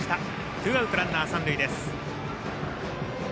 ツーアウト、ランナー、三塁です。